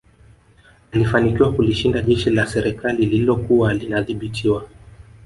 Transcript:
Alifanikiwa kulishinda jeshi la serikali lililokuwa linadhibitiwa